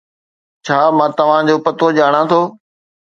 ڇا مان توھان جو پتو ڄاڻان ٿو؟